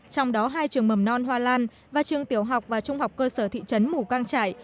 trong đó hai trường mầm non hoa lan và trường tiểu học và trung học cơ sở thị trấn mù căng trải